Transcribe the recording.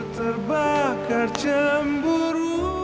aku terbakar cemburu